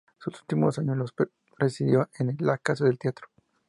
Sus últimos años los residió en la Casa del Teatro.